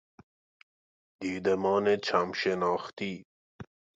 دیدمان چم شناختی